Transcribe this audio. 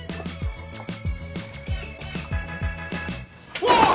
うわっ！